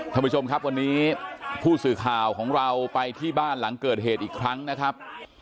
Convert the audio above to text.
ท่านผู้ชมครับวันนี้ผู้สื่อข่าวของเราไปที่บ้านหลังเกิดเหตุอีกครั้งนะครับ